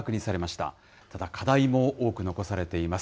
ただ、課題も多く残されています。